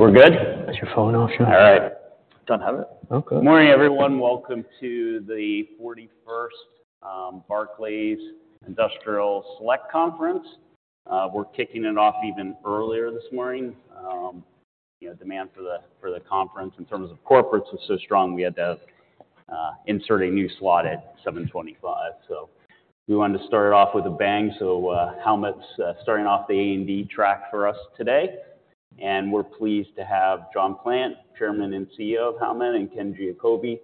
We're good? Is your phone off, John? All right. Don't have it? Okay. Good morning, everyone. Welcome to the 41st Barclays Industrial Select Conference. We're kicking it off even earlier this morning. You know, demand for the, for the conference in terms of corporates was so strong, we had to insert a new slot at 7:25 A.M. So we wanted to start off with a bang. Howmet's starting off the A&D track for us today, and we're pleased to have John Plant, Chairman and CEO of Howmet, and Ken Giacobbe,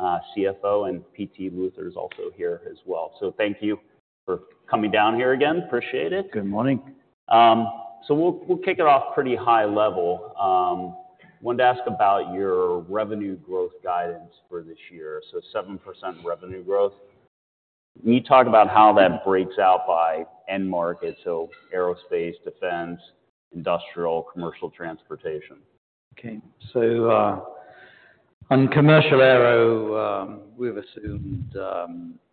CFO, and Paul Luther is also here as well. So thank you for coming down here again. Appreciate it. Good morning. We'll kick it off pretty high level. Wanted to ask about your revenue growth guidance for this year. 7% revenue growth. Can you talk about how that breaks out by end market, so aerospace, defense, industrial, commercial, transportation? Okay. So, on commercial aero, we've assumed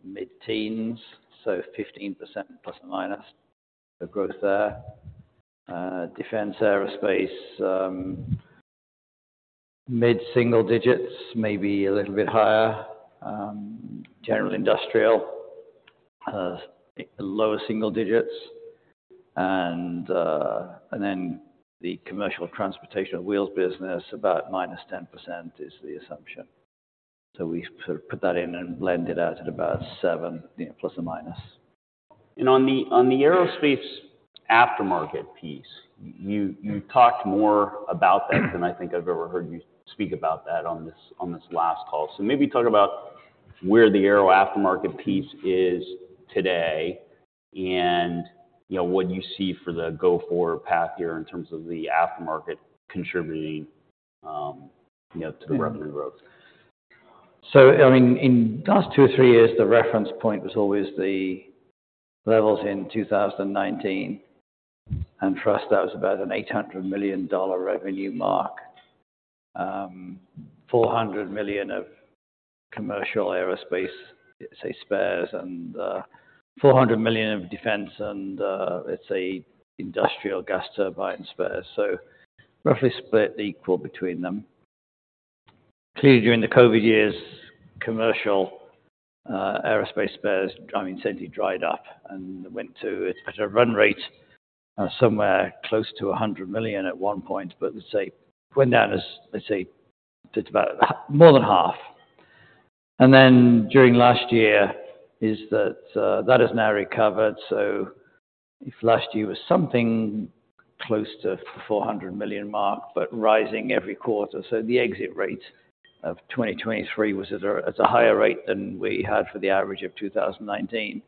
mid-teens, so 15% ± the growth there. Defense aerospace, mid-single digits, maybe a little bit higher. General industrial, lower single digits. And then the commercial transportation wheels business, about -10% is the assumption. So we sort of put that in and blend it out at about 7, you know, ±. And on the aerospace aftermarket piece, you talked more about that than I think I've ever heard you speak about that on this last call. So maybe talk about where the aero aftermarket piece is today and, you know, what you see for the go-forward path here in terms of the aftermarket contributing, you know, to the revenue growth. So, I mean, in the last two or three years, the reference point was always the levels in 2019, and for us, that was about a $800 million revenue mark. 400 million of commercial aerospace, let's say, spares and 400 million of defense and, let's say, industrial gas turbine spares. So roughly split equal between them. Clearly, during the COVID years, commercial aerospace spares, I mean, essentially dried up and went to... It's at a run rate somewhere close to a $100 million at one point, but let's say, went down, as I say, to about more than half. And then, during last year, that has now recovered, so if last year was something close to $400 million mark, but rising every quarter. So the exit rate of 2023 was at a higher rate than we had for the average of 2019.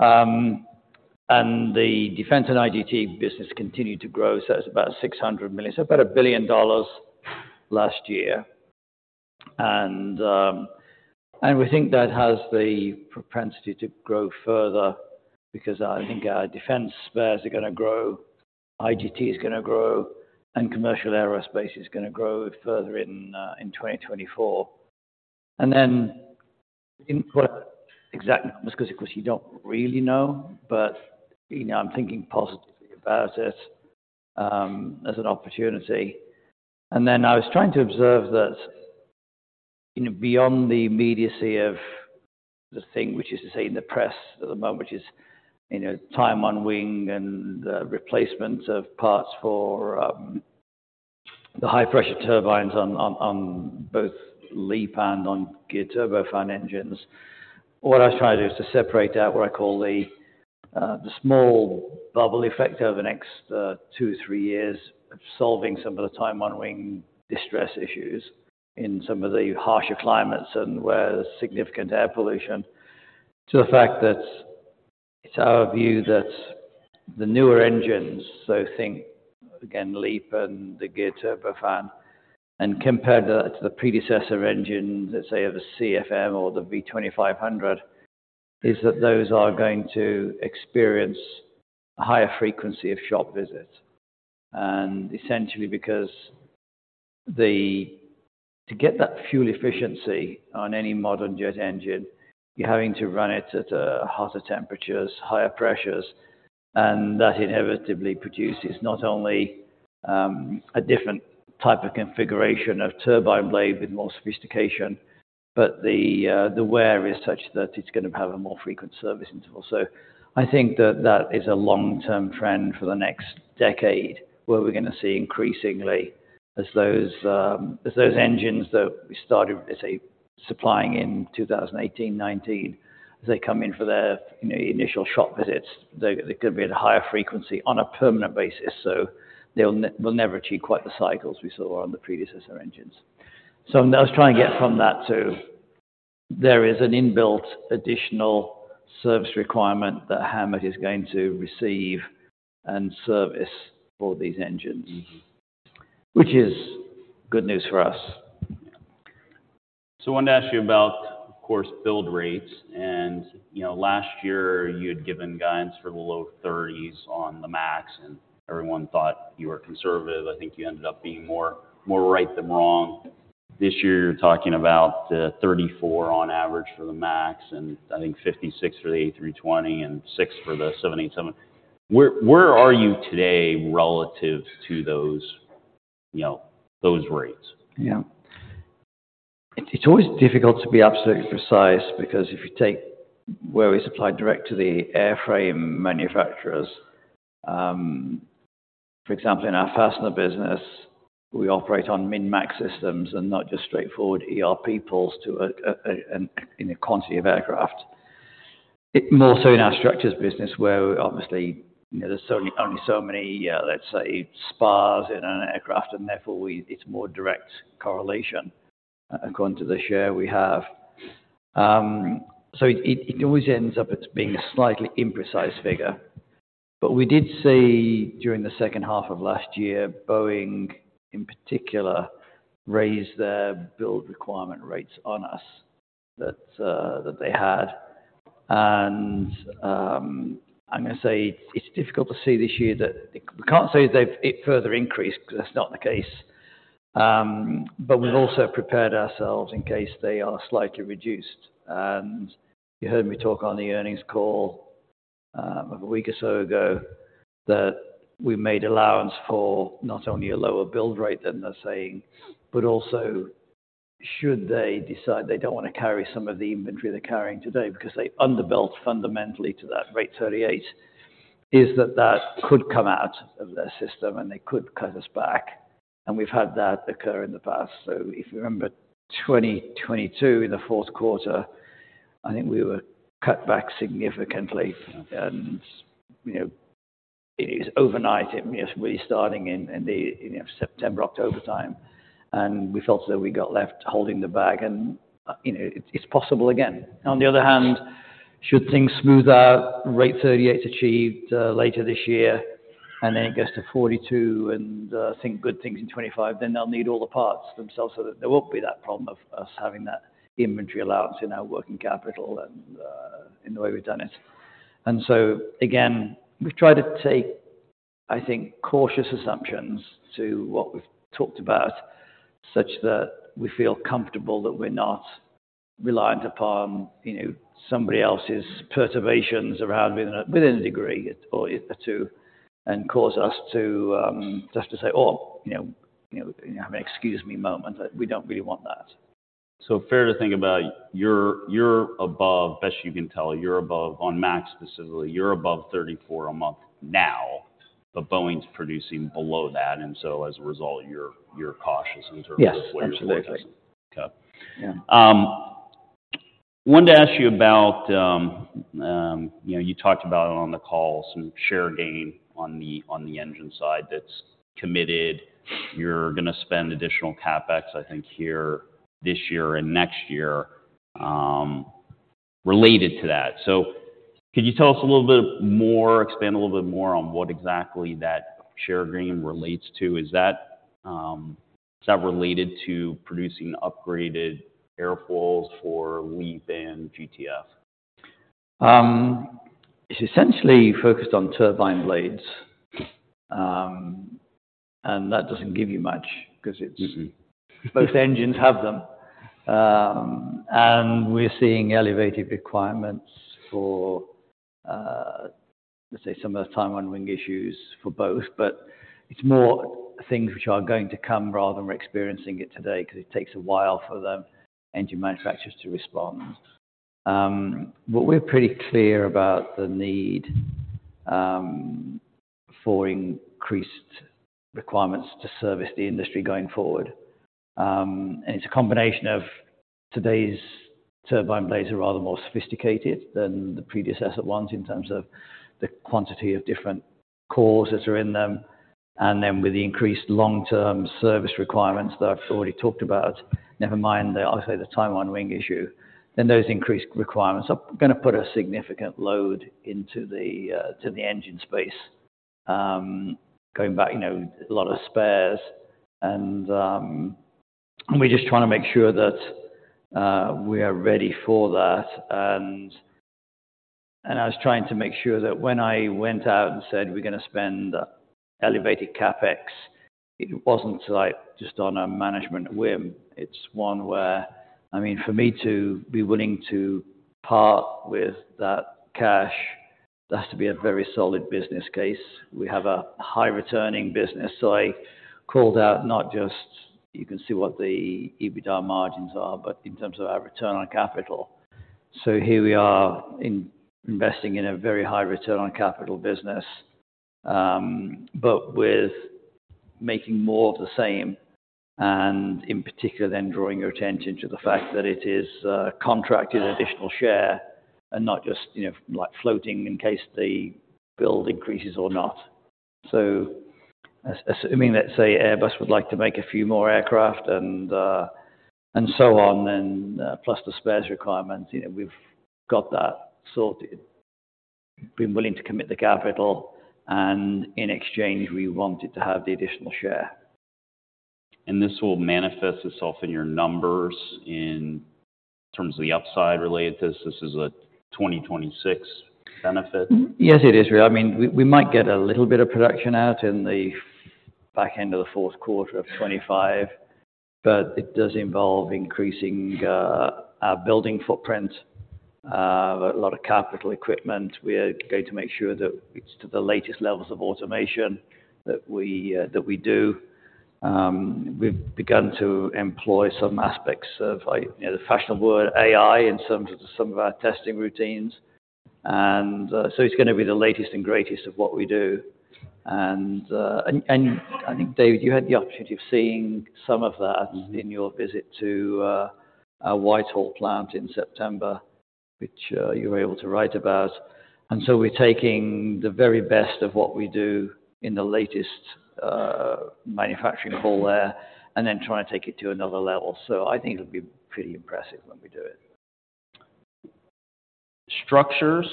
The defense and IGT business continued to grow, so that's about $600 million, so about $1 billion last year. We think that has the propensity to grow further because I think our defense spares are gonna grow, IGT is gonna grow, and commercial aerospace is gonna grow further in 2024. Then in what exactly, because, of course, you don't really know, but, you know, I'm thinking positively about it, as an opportunity. And then I was trying to observe that, you know, beyond the immediacy of the thing, which is to say in the press at the moment, which is, you know, time on wing and replacement of parts for the high-pressure turbines on both LEAP and on Geared Turbofan engines. What I was trying to do is to separate out what I call the small bubble effect over the next two or three years of solving some of the time on wing distress issues in some of the harsher climates and where there's significant air pollution. To the fact that it's our view that the newer engines, so I think, again, LEAP and the Geared Turbofan, and compare that to the predecessor engines, let's say, of a CFM or the V2500, is that those are going to experience a higher frequency of shop visits. Essentially because to get that fuel efficiency on any modern jet engine, you're having to run it at hotter temperatures, higher pressures, and that inevitably produces not only a different type of configuration of turbine blade with more sophistication, but the wear is such that it's gonna have a more frequent service interval. So I think that that is a long-term trend for the next decade, where we're gonna see increasingly as those engines that we started, let's say, supplying in 2018, 2019, as they come in for their, you know, initial shop visits, they, they're gonna be at a higher frequency on a permanent basis. So they'll never achieve quite the cycles we saw on the predecessor engines. I was trying to get from that to, there is an inbuilt additional service requirement that Howmet is going to receive and service for these engines, which is good news for us. So I wanted to ask you about, of course, build rates. And, you know, last year, you had given guidance for the low 30s on the MAX, and everyone thought you were conservative. I think you ended up being more, more right than wrong. This year, you're talking about 34 on average for the MAX, and I think 56 for the A320, and 6 for the 787. Where, where are you today relative to those, you know, those rates? Yeah. It's always difficult to be absolutely precise, because if you take where we supply direct to the airframe manufacturers, for example, in our fastener business, we operate on min-max systems and not just straightforward ERP pulls to and in a quantity of aircraft. It more so in our structures business, where obviously, you know, there's so many, only so many, let's say, spars in an aircraft, and therefore, it's more direct correlation according to the share we have. So it always ends up as being a slightly imprecise figure. But we did see, during the second half of last year, Boeing, in particular, raise their build requirement rates on us, that that they had. And I'm gonna say, it's difficult to see this year that we can't say they've it further increased, because that's not the case. But we've also prepared ourselves in case they are slightly reduced. And you heard me talk on the earnings call, a week or so ago, that we made allowance for not only a lower build rate than they're saying, but also should they decide they don't wanna carry some of the inventory they're carrying today, because they underbuilt fundamentally to that rate 38, that could come out of their system, and they could cut us back. And we've had that occur in the past. So if you remember 2022, in the fourth quarter, I think we were cut back significantly. And, you know, it was overnight, it was really starting in the, you know, September, October time, and we felt as though we got left holding the bag, and, you know, it, it's possible again. On the other hand, should things smooth out, rate 38's achieved later this year, and then it goes to 42, and think good things in 2025, then they'll need all the parts themselves, so that there won't be that problem of us having that inventory allowance in our working capital and in the way we've done it. And so again, we've tried to take, I think, cautious assumptions to what we've talked about, such that we feel comfortable that we're not reliant upon, you know, somebody else's perturbations around within a, within a degree or two, and cause us to just to say, "Oh, you know, you know, have an excuse me moment." We don't really want that. So, fair to think about, you're above, best you can tell, you're above on MAX specifically, you're above 34 a month now, but Boeing's producing below that, and so as a result, you're cautious in terms of- Yes, absolutely. Okay. Yeah. Wanted to ask you about, you know, you talked about on the call some share gain on the, on the engine side that's committed. You're gonna spend additional CapEx, I think, here this year and next year, related to that. So could you tell us a little bit more, expand a little bit more on what exactly that share gain relates to? Is that, is that related to producing upgraded airfoils for LEAP and GTF? It's essentially focused on turbine blades. And that doesn't give you much, 'cause it's- ..both engines have them. And we're seeing elevated requirements for, let's say, some of the time on wing issues for both, but it's more things which are going to come rather than we're experiencing it today, because it takes a while for the engine manufacturers to respond. But we're pretty clear about the need, for increased requirements to service the industry going forward. And it's a combination of today's turbine blades are rather more sophisticated than the predecessor ones, in terms of the quantity of different cores that are in them, and then with the increased long-term service requirements that I've already talked about. Never mind, the obviously, the time on wing issue, then those increased requirements are gonna put a significant load into the, to the engine space, going back, you know, a lot of spares and... We're just trying to make sure that we are ready for that. I was trying to make sure that when I went out and said, "We're gonna spend elevated CapEx," it wasn't like just on a management whim. It's one where, I mean, for me to be willing to part with that cash, there has to be a very solid business case. We have a high returning business, so I called out, not just, you can see what the EBITDA margins are, but in terms of our return on capital. So here we are investing in a very high return on capital business, but with making more of the same, and in particular, then drawing your attention to the fact that it is contracted additional share and not just, you know, like, floating in case the build increases or not. So, assuming, let's say, Airbus would like to make a few more aircraft and so on, plus the spares requirement, you know, we've got that sorted. Been willing to commit the capital, and in exchange, we wanted to have the additional share. This will manifest itself in your numbers in terms of the upside related to this. This is a 2026 benefit? Yes, it is. I mean, we might get a little bit of production out in the back end of the fourth quarter of 2025, but it does involve increasing our building footprint, a lot of capital equipment. We are going to make sure that it's to the latest levels of automation that we do. We've begun to employ some aspects of, you know, the fashionable word, AI, in some of our testing routines, and so it's gonna be the latest and greatest of what we do. And I think, David, you had the opportunity of seeing some of that in your visit to our Whitehall plant in September, which you were able to write about. So we're taking the very best of what we do in the latest manufacturing hall there, and then trying to take it to another level. So I think it'll be pretty impressive when we do it. Structures,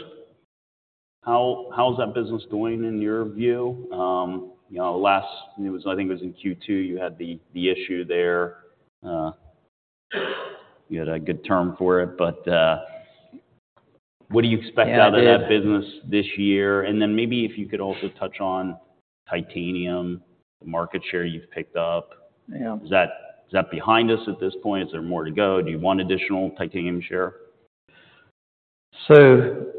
how's that business doing in your view? You know, last, I think it was in Q2, you had the issue there. You had a good term for it, but what do you expect- Yeah, I did. out of that business this year? And then maybe if you could also touch on titanium, the market share you've picked up. Yeah. Is that, is that behind us at this point? Is there more to go? Do you want additional titanium share? So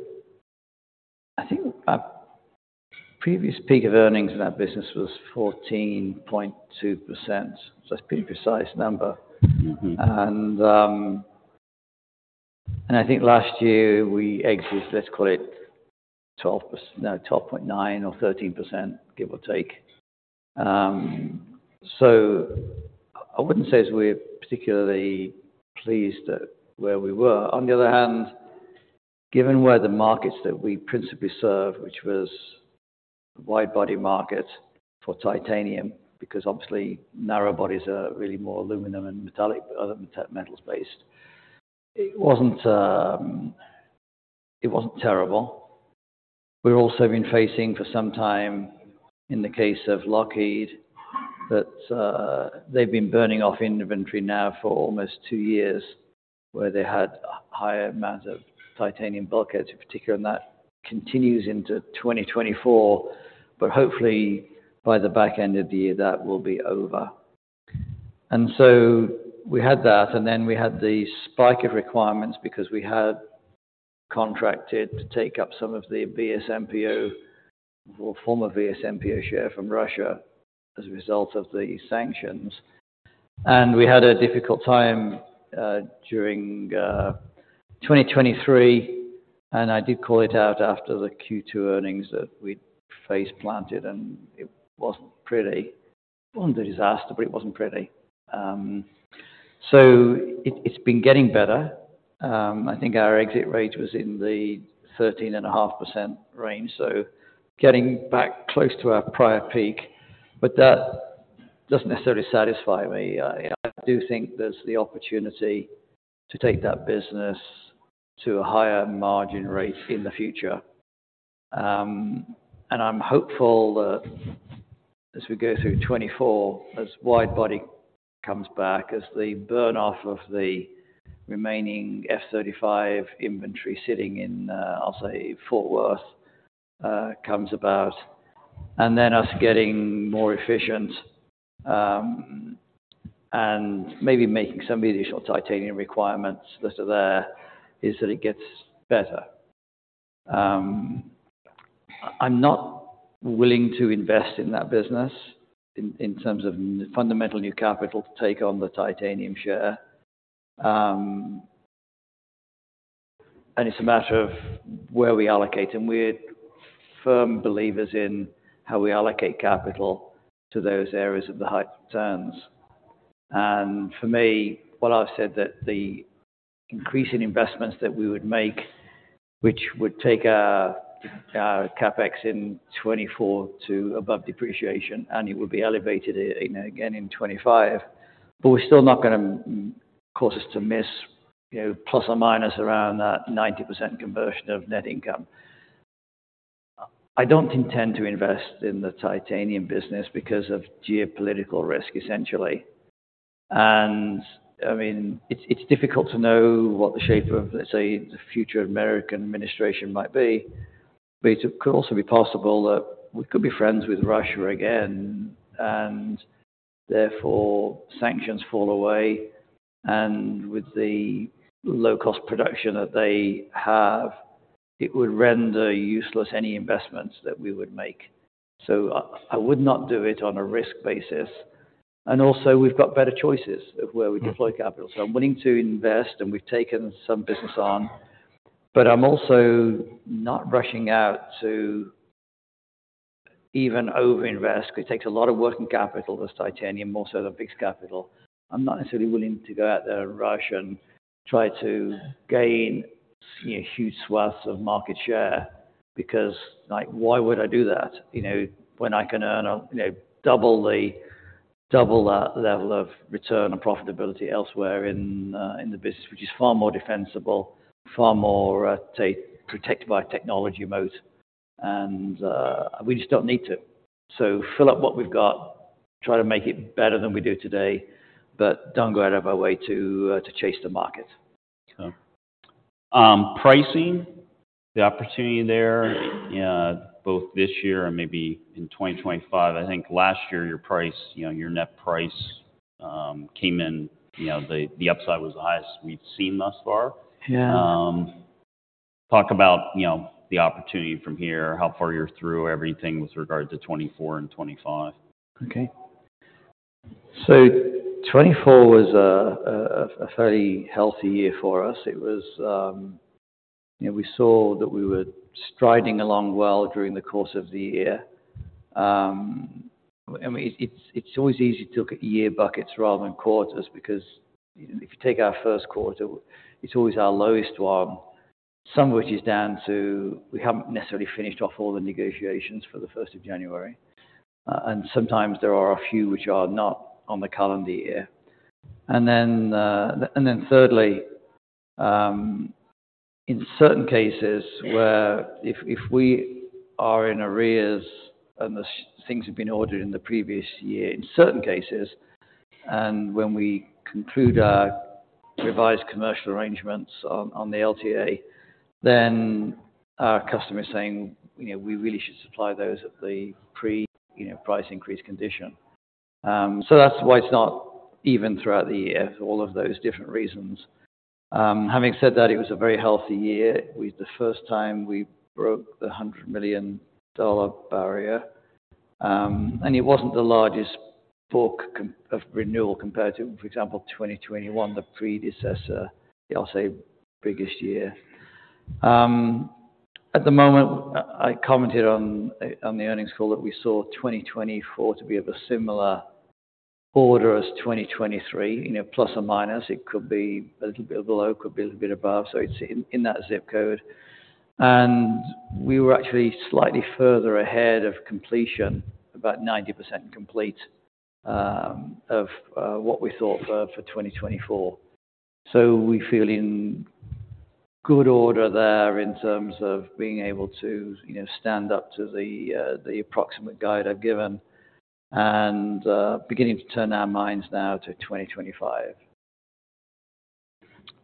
I think our previous peak of earnings in that business was 14.2%. So it's a pretty precise number. I think last year we exited, let's call it 12.9%-13%, give or take. So I wouldn't say we're particularly pleased at where we were. On the other hand, given where the markets that we principally serve, which was wide body market for titanium, because obviously narrow bodies are really more aluminum and metallic, other metal-based. It wasn't terrible. We've also been facing, for some time, in the case of Lockheed, that they've been burning off inventory now for almost two years, where they had higher amounts of titanium bulkheads in particular, and that continues into 2024, but hopefully by the back end of the year, that will be over. We had that, and then we had the spike of requirements because we had contracted to take up some of the VSMPO or former VSMPO share from Russia as a result of the sanctions. We had a difficult time during 2023, and I did call it out after the Q2 earnings that we'd face planted, and it wasn't pretty. It wasn't a disaster, but it wasn't pretty. So it's been getting better. I think our exit rate was in the 13.5% range, so getting back close to our prior peak, but that doesn't necessarily satisfy me. I do think there's the opportunity to take that business to a higher margin rate in the future. And I'm hopeful that as we go through 2024, as wide body comes back, as the burn off of the remaining F-35 inventory sitting in, I'll say Fort Worth, comes about, and then us getting more efficient, and maybe making some additional titanium requirements that are there, is that it gets better. I'm not willing to invest in that business in terms of fundamental new capital to take on the titanium share. And it's a matter of where we allocate, and we're firm believers in how we allocate capital to those areas of the high returns. And for me, while I've said that the increasing investments that we would make, which would take our CapEx in 2024 to above depreciation, and it would be elevated, you know, again in 2025, but we're still not gonna cause us to miss, you know, ±90% conversion of net income. I don't intend to invest in the titanium business because of geopolitical risk, essentially. And I mean, it's difficult to know what the shape of, let's say, the future American administration might be, but it could also be possible that we could be friends with Russia again, and therefore, sanctions fall away. And with the low-cost production that they have, it would render useless any investments that we would make. So I would not do it on a risk basis, and also, we've got better choices of where we deploy capital. So I'm willing to invest, and we've taken some business on, but I'm also not rushing out to even over-invest. It takes a lot of working capital, this titanium, more so than fixed capital. I'm not necessarily willing to go out there and rush and try to gain, you know, huge swaths of market share because, like, why would I do that, you know, when I can earn a, you know, double that level of return on profitability elsewhere in, in the business, which is far more defensible, far more taken protected by a technology moat, and, we just don't need to. So fill up what we've got... try to make it better than we do today, but don't go out of our way to, to chase the market. Okay. Pricing, the opportunity there, both this year and maybe in 2025. I think last year, your price, you know, your net price, came in, you know, the upside was the highest we've seen thus far. Yeah. Talk about, you know, the opportunity from here, how far you're through everything with regard to 2024 and 2025. Okay. So 2024 was a fairly healthy year for us. It was, you know, we saw that we were striding along well during the course of the year. I mean, it's, it's always easy to look at year buckets rather than quarters, because if you take our first quarter, it's always our lowest one. Some of which is down to, we haven't necessarily finished off all the negotiations for the 1st January, and sometimes there are a few which are not on the calendar year. And then thirdly, in certain cases where if we are in arrears and the things have been ordered in the previous year, in certain cases, and when we conclude our revised commercial arrangements on the LTA, then our customer is saying, you know, we really should supply those at the pre, you know, price increase condition. So that's why it's not even throughout the year, for all of those different reasons. Having said that, it was a very healthy year. It was the first time we broke the $100 million barrier, and it wasn't the largest book of renewal compared to, for example, 2021, the predecessor, I'll say, biggest year. At the moment, I commented on the earnings call that we saw 2024 to be of a similar order as 2023, you know, plus or minus. It could be a little bit below, could be a little bit above, so it's in that zip code. And we were actually slightly further ahead of completion, about 90% complete, of what we thought for 2024. So we feel in good order there in terms of being able to, you know, stand up to the approximate guide I've given, and beginning to turn our minds now to 2025.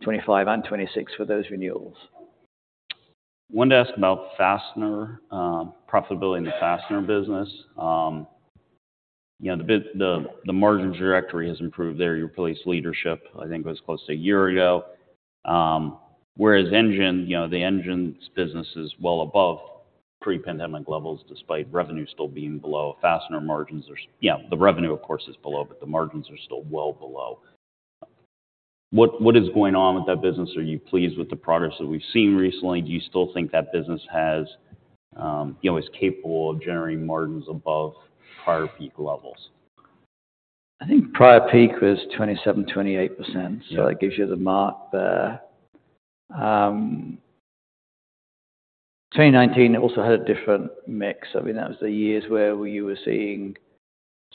2025 and 2026 for those renewals. Wanted to ask about Fastener profitability in the Fastener business. You know, the margin trajectory has improved there. You replaced leadership, I think it was close to a year ago. Whereas Engine, you know, the Engines business is well above pre-pandemic levels, despite revenue still being below. Fastener margins are, yeah, the revenue, of course, is below, but the margins are still well below. What is going on with that business? Are you pleased with the progress that we've seen recently? Do you still think that business has—you know, is capable of generating margins above prior peak levels? I think prior peak was 27%-28%. Yeah. So that gives you the mark there. 2019, it also had a different mix. I mean, that was the years where we were seeing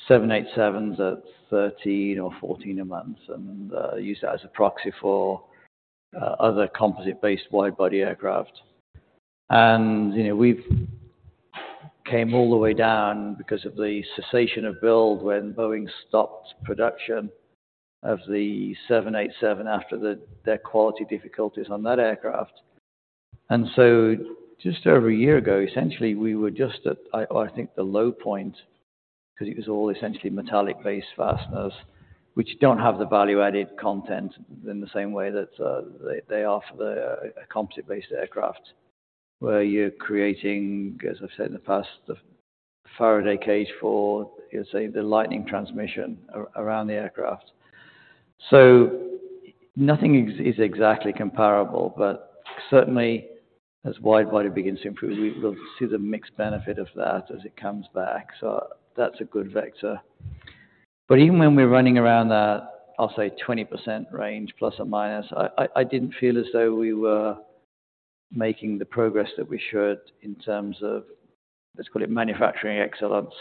787s at 13 or 14 a month, and, use that as a proxy for, other composite-based widebody aircraft. And, you know, we've came all the way down because of the cessation of build when Boeing stopped production of the 787 after their quality difficulties on that aircraft. And so just over a year ago, essentially, we were just at, I think, the low point, because it was all essentially metallic-based fasteners, which don't have the value-added content in the same way that, they, they are for the, a composite-based aircraft. Where you're creating, as I've said in the past, the Faraday cage for, let's say, the lightning transmission around the aircraft. So nothing is exactly comparable, but certainly as widebody begins to improve, we will see the mix benefit of that as it comes back. So that's a good vector. But even when we're running around that, I'll say 20% range plus or minus, I didn't feel as though we were making the progress that we should in terms of, let's call it manufacturing excellence,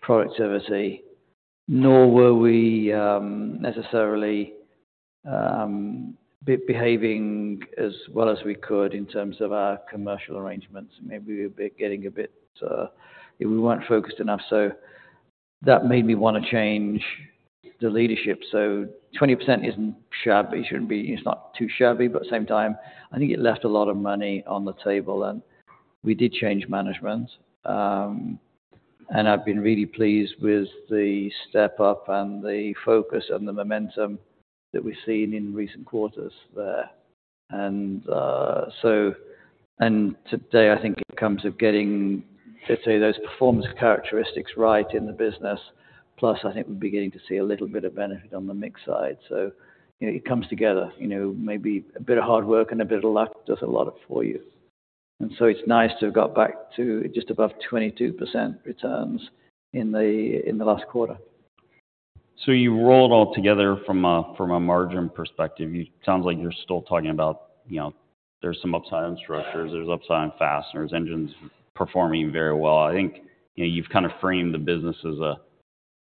productivity. Nor were we necessarily behaving as well as we could in terms of our commercial arrangements. Maybe we were a bit getting a bit. We weren't focused enough, so that made me wanna change the leadership. So 20% isn't shabby, shouldn't be, it's not too shabby, but at the same time, I think it left a lot of money on the table, and we did change management. And I've been really pleased with the step up and the focus and the momentum that we've seen in recent quarters there. And so today, I think it comes of getting, let's say, those performance characteristics right in the business. Plus, I think we're beginning to see a little bit of benefit on the mix side, so it comes together. You know, maybe a bit of hard work and a bit of luck does a lot for you. And so it's nice to have got back to just above 22% returns in the last quarter. So you roll it all together from a, from a margin perspective. You- sounds like you're still talking about, you know, there's some upside on structures, there's upside on fasteners, engines performing very well. I think, you know, you've kind of framed the business as a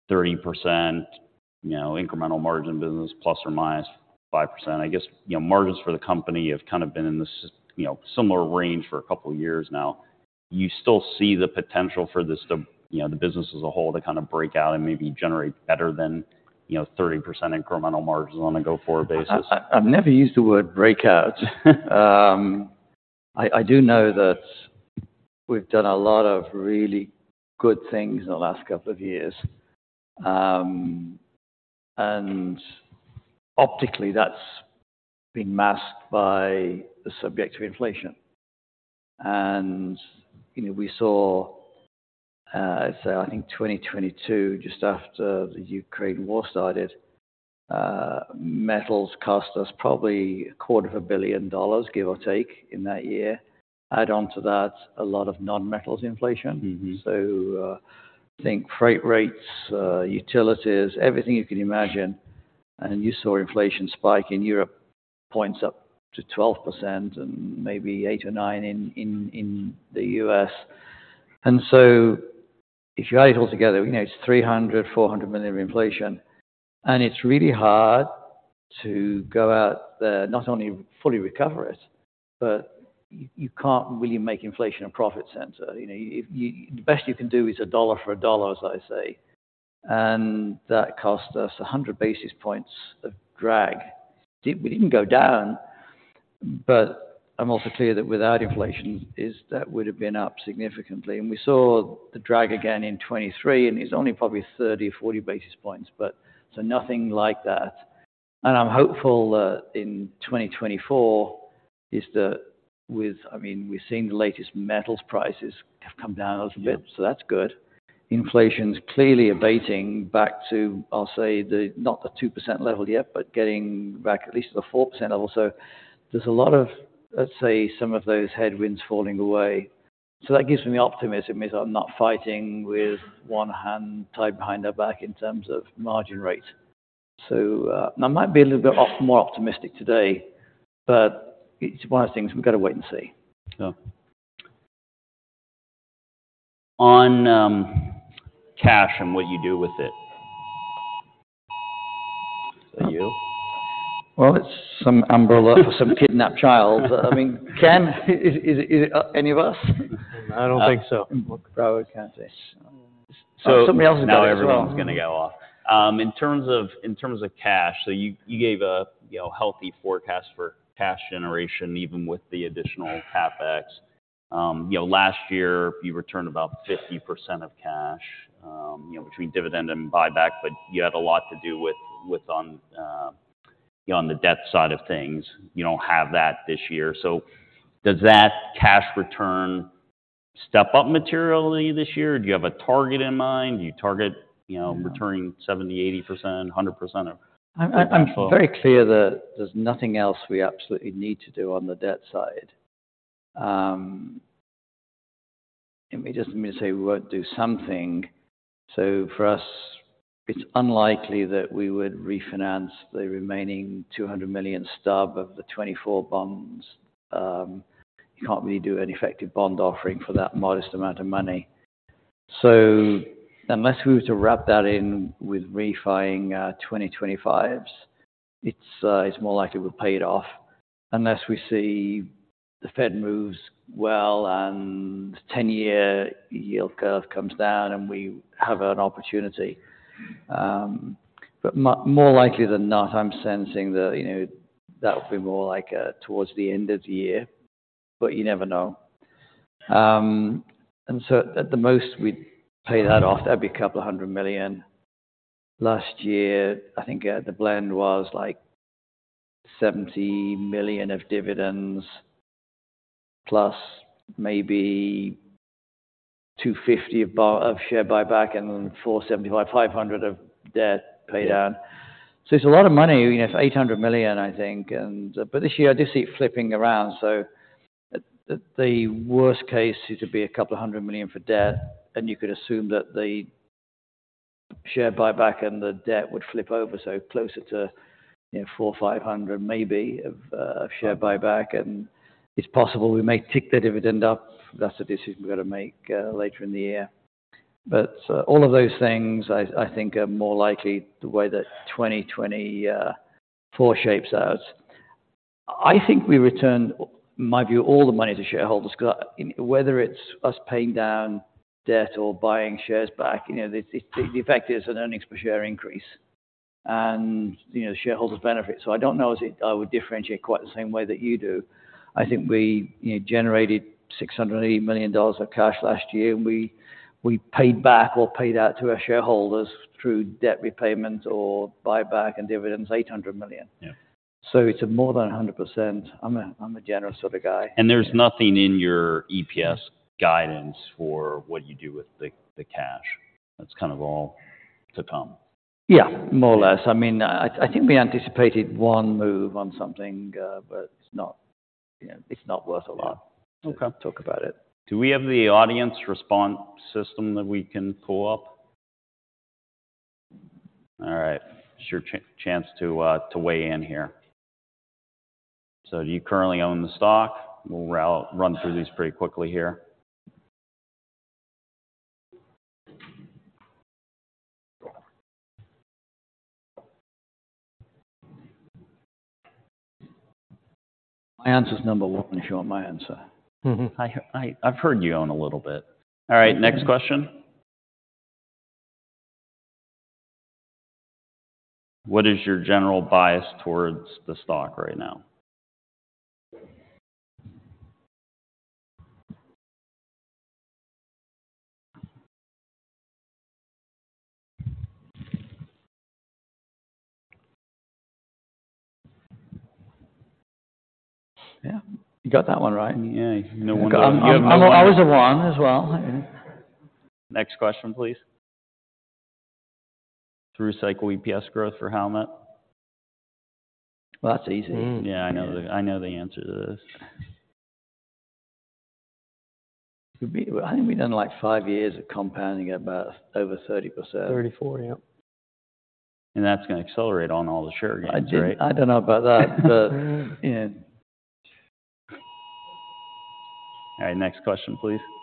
30%, you know, incremental margin business, ±5%. I guess, you know, margins for the company have kind of been in this, you know, similar range for a couple of years now. You still see the potential for this to, you know, the business as a whole, to kind of break out and maybe generate better than, you know, 30% incremental margins on a go-forward basis? I've never used the word breakout. I do know that we've done a lot of really good things in the last couple of years. And optically, that's been masked by the subjective inflation. And, you know, we saw, let's say, I think 2022, just after the Ukraine war started, metals cost us probably $250 million, give or take, in that year. Add on to that, a lot of non-metals inflation. So, I think freight rates, utilities, everything you can imagine, and you saw inflation spike in Europe, points up to 12% and maybe 8% or 9% in the US. And so if you add it all together, you know, it's $300 million-$400 million of inflation. And it's really hard to go out there, not only fully recover it, but you can't really make inflation a profit center. You know, if you—the best you can do is a dollar for a dollar, as I say. And that cost us 100 basis points of drag. We didn't go down, but I'm also clear that without inflation, is that would have been up significantly. And we saw the drag again in 2023, and it's only probably 30 or 40 basis points, but so nothing like that. I'm hopeful that in 2024, is that with—I mean, we're seeing the latest metals prices have come down a little bit- Yeah So that's good. Inflation's clearly abating back to, I'll say, the, not the 2% level yet, but getting back at least to the 4% level. So there's a lot of, let's say, some of those headwinds falling away. So that gives me optimism, means I'm not fighting with one hand tied behind our back in terms of margin rates. So, and I might be a little bit more optimistic today, but it's one of those things we've got to wait and see. Yeah. On, cash and what you do with it. Is that you? Well, it's some umbrella for some kidnapped child. I mean, Ken, is it, is it, any of us? I don't think so. Probably can't say. Something else- Now everything's gonna go off. In terms of cash, so you gave a, you know, healthy forecast for cash generation, even with the additional CapEx. You know, last year, you returned about 50% of cash, you know, between dividend and buyback, but you had a lot to do with, with on, on the debt side of things. You don't have that this year. So does that cash return step up materially this year, or do you have a target in mind? Do you target, you know- Yeah... returning 70, 80%, 100% of- I'm very clear that there's nothing else we absolutely need to do on the debt side. Let me just say, we won't do something. So for us, it's unlikely that we would refinance the remaining $200 million stub of the 2024 bonds. You can't really do an effective bond offering for that modest amount of money. So unless we were to wrap that in with refinancing 2025's, it's more likely we'll pay it off. Unless we see the Fed moves well and the 10-year yield curve comes down, and we have an opportunity. But more likely than not, I'm sensing that, you know, that would be more like towards the end of the year, but you never know. And so at the most, we'd pay that off. That'd be a couple of 100 million. Last year, I think, the blend was, like, $70 million of dividends, plus maybe $250 million of share buyback and $475 million-$500 million of debt pay down. So it's a lot of money, you know, for $800 million, I think. But this year, I do see it flipping around, so the worst case, it would be a couple of 100 million for debt, and you could assume that the share buyback and the debt would flip over, so closer to, you know, $400-$500 million maybe of share buyback. And it's possible we may tick the dividend up. That's a decision we've got to make later in the year. But all of those things, I think are more likely the way that 2024 shapes out. I think we return, my view, all the money to shareholders, because whether it's us paying down debt or buying shares back, you know, the effect is an earnings per share increase, and, you know, shareholders benefit. So I don't know if I would differentiate quite the same way that you do. I think we, you know, generated $680 million of cash last year, and we paid back or paid out to our shareholders through debt repayment or buyback and dividends, $800 million. Yeah. So it's more than 100%. I'm a generous sort of guy. And there's nothing in your EPS guidance for what you do with the cash. That's kind of all to come. Yeah, more or less. I mean, I think we anticipated one move on something, but it's not, you know, it's not worth a lot- Yeah. - to talk about it. Do we have the audience response system that we can pull up? All right. It's your chance to weigh in here. So do you currently own the stock? We'll run through these pretty quickly here. My answer is number one, showing my answer. I've heard you own a little bit. All right, next question. What is your general bias towards the stock right now? Yeah, you got that one right. Yeah, no wonder. I was a one as well. Next question, please. Through-cycle EPS growth for Howmet? Well, that's easy. Yeah, I know the, I know the answer to this. We've been, I think we've done, like, five years of compounding at about over 30%. 34, yeah. And that's gonna accelerate on all the share gains, right? I don't know about that, but yeah. All right, next question, please.